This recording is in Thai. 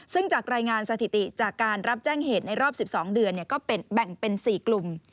ซึ่งจากรายงานสถิติจากการรับแจ้งเหตุในรอบ๑๒เดือนก็แบ่งเป็น๔กลุ่ม